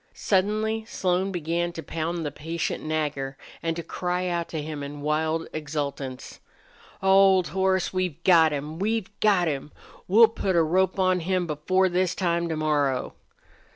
Suddenly Slone began to pound the patient Nagger and to cry out to him in wild exultance. "Old horse, we've got him! We've got him! We'll put a rope on him before this time to morrow!"